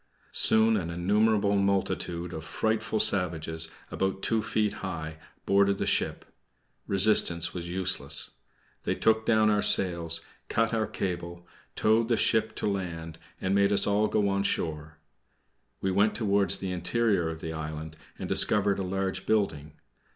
Soon an innumerable multitude of frightful savages, about two feet high, boarded the ship. Resistance was useless. They took down our sails, cut our cable, towed the ship to land, and made us all go on shore. We went towards the interior of the island and discovered a large building.